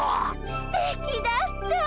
すてきだった！